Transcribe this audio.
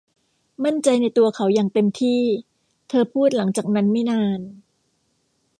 มั่นใจในตัวเขาอย่างเต็มที่ เธอพูดหลังจากนั้นไม่นาน.